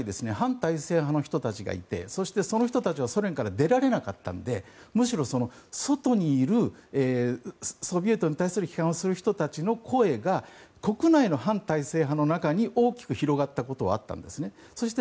ソ連時代は反体制派の人がいてその人たちは出られなかったんで、むしろ外にいるソビエトに対する批判をする人たちの声が国内の反体制派の中に大きく広がったことはあったんですね。